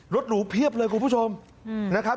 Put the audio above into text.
หรูเพียบเลยคุณผู้ชมนะครับ